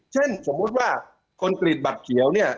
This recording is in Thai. สมมุติว่าคอนกรีตบัตรเขียวเนี่ย